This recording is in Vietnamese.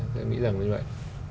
tôi nghĩ rằng là như vậy